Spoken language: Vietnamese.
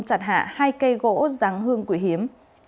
chặt hạ hai cây gỗ ráng hương quỷ hiếm